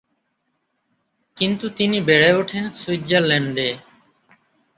কিন্তু তিনি বেড়ে ওঠেন সুইজারল্যান্ডে।